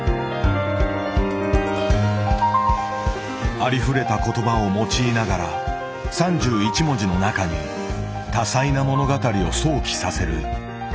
ありふれた言葉を用いながら３１文字の中に多彩な物語を想起させる俵の短歌。